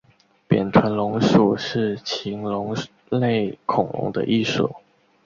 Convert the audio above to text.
扁臀龙属是禽龙类恐龙的一属。